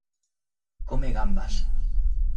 Come gambas.